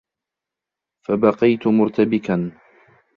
فَبَقِيت مُرْتَبِكًا